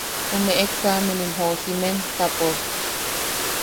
Ume examenim joosimen ta pos.